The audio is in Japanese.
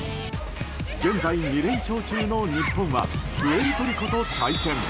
現在２連勝中の日本はプエルトリコと対戦。